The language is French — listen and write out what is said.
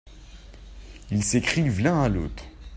Ils s'écrivent l'un à l'autre.